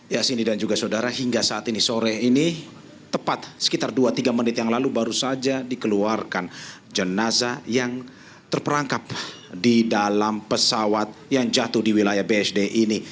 ya sini dan juga saudara hingga saat ini sore ini tepat sekitar dua tiga menit yang lalu baru saja dikeluarkan jenazah yang terperangkap di dalam pesawat yang jatuh di wilayah bsd ini